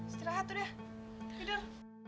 setirahat udah tidur